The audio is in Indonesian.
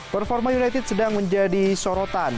performa united sedang menjadi sorotan